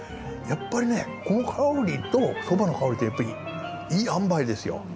やっぱりねこの香りとそばの香りってやっぱいいあんばいですよ